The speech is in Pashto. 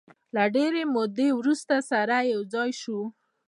د ډېرې مودې وروسته سره یو ځای شوو.